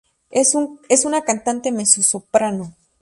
Es una cantante mezzo-soprano.